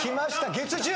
月１０。